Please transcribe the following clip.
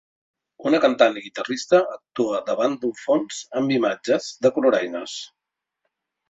Una cantant i guitarrista actua davant d'un fons amb imatges de coloraines.